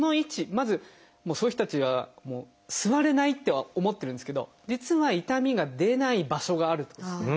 まずそういう人たちは座れないって思ってるんですけど実は痛みが出ない場所があるってことですね。